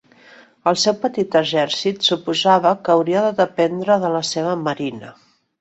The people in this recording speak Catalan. El seu petit exèrcit suposava que hauria de dependre de la seva marina.